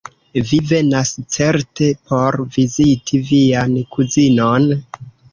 Vi venas certe por viziti vian kuzinon?